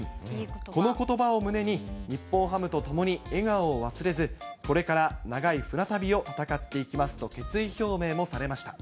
このことばを胸に、日本ハムと共に笑顔を忘れず、これから長い船旅を戦っていきますと決意表明もされました。